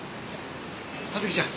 葉月ちゃん